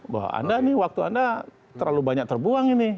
bahwa anda nih waktu anda terlalu banyak terbuang ini